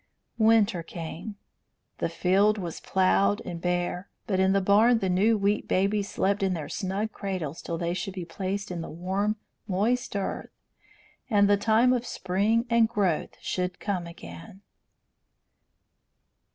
Winter came. The field was ploughed and bare, but in the barn the new Wheat Babies slept in their snug cradles till they should be placed in the warm moist earth and the time of spring and growth should come again.